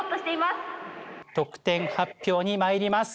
得点発表にまいります。